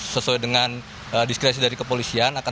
sesuai dengan diskresi dari kepolisian